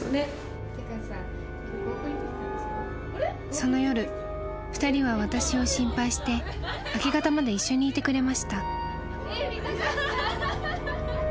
［その夜２人は私を心配して明け方まで一緒にいてくれました］